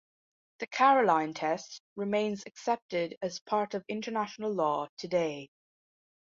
The "Caroline" test remains accepted as part of international law today.